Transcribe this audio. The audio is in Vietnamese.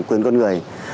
quyền con người